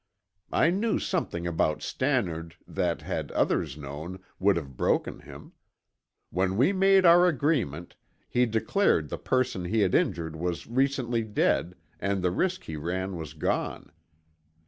I knew something about Stannard that, had others known, would have broken him. When we made our agreement, he declared the person he had injured was recently dead and the risk he ran was gone.